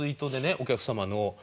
お客様の。